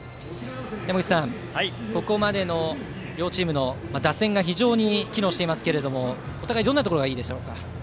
山口さん、ここまでの両チームの打線が非常に機能していますがお互いどんなところがいいでしょうか。